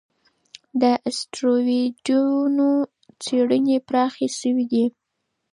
د اسټروېډونو څېړنې پراخې شوې دي.